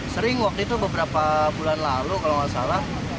sering waktu itu beberapa bulan lalu kalau nggak salah